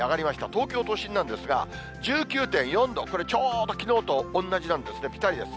東京都心なんですが、１９．４度、これ、ちょうどきのうと同じなんですね、ぴたりです。